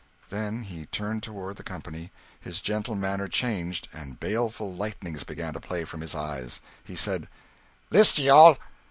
Then he turned toward the company: his gentle manner changed, and baleful lightnings began to play from his eyes. He said "List ye all!